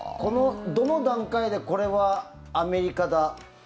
どの段階でこれはアメリカだ